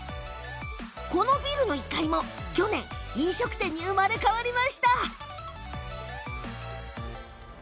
このビルの１階も去年飲食店に生まれ変わりました。